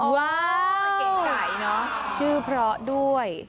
ว้าวเก๋ไก่ชื่อเพราะด้วย